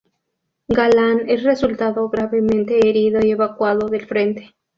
Galán es resultado gravemente herido y evacuado del frente.